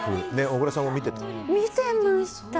小倉さんも見てた？